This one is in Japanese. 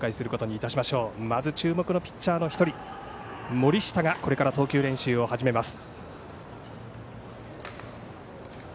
まず注目のピッチャーの１人森下がこれから投球練習を始めます。